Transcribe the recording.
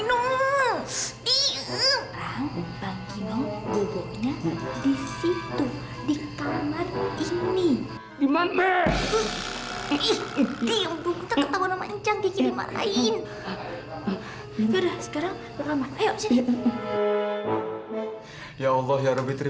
nasa mata keranjang lu pergi